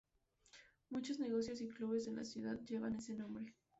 Muchos negocios y clubes de la ciudad llevan ese nombre.